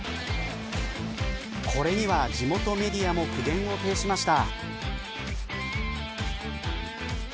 これには、地元メディアも苦言を呈しました。